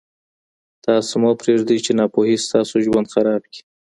تاسو مه پرېږدئ چې ناپوهي ستاسو ژوند خراب کړي.